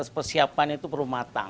sukses persiapan itu perlu menunjukkan